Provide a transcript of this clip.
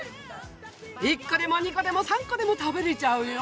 １個でも２個でも３個でも食べれちゃうよ！